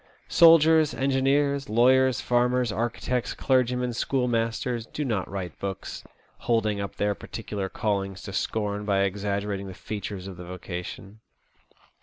Soldiers, engineers, lawyers, farmers, architects, clergymen, schoolmasters do not write books, holding up their particular callings to scorn by exaggerating the features of the vocation.